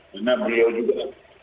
karena beliau juga